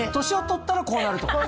年を取ったらこうなると？